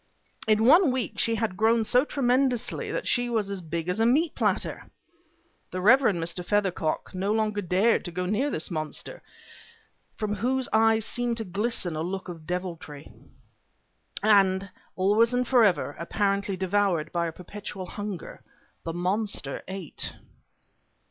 In one week she had grown so tremendously that she was as big as a meat platter. The Rev. Mr. Feathercock no longer dared to go near this monster, from whose eyes seemed to glisten a look of deviltry. And, always and forever, apparently devoured by a perpetual hunger, the monster ate.